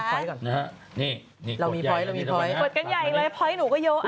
เรามีป้อยกดกันใหญ่อีกเลยป้อยหนูก็เยอะอ่ะ